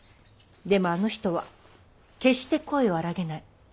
でもあの人は決して声を荒げない。